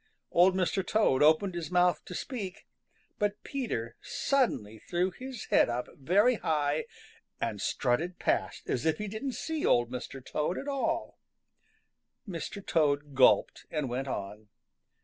Old Mr. Toad opened his mouth to speak, but Peter suddenly threw his head up very high and strutted past as if he didn't see Old Mr. Toad at all. Mr. Toad gulped and went on.